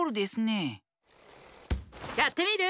やってみる？